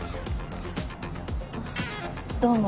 どうも。